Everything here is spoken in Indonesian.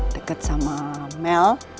deket sama mel